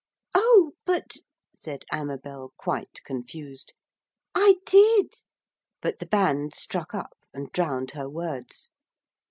'Oh, but,' said Amabel quite confused. 'I did....' But the band struck up, and drowned her words.